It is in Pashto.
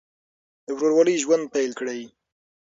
د ورورولۍ ژوند پیل کړئ.